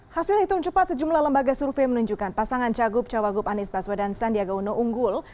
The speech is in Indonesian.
hasil hitung cepat sejumlah lembaga survei menunjukkan pasangan cagup cawagup anies baswedan sandiaga uno unggul